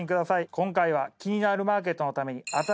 今回は「キニナルマーケット」のために新しい